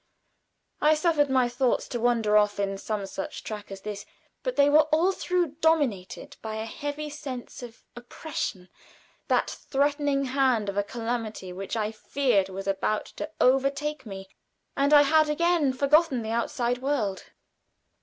I suffered my thoughts to wander off in some such track as this, but they were all through dominated by a heavy sense of oppression the threatening hand of a calamity which I feared was about to overtake me, and I had again forgotten the outside world.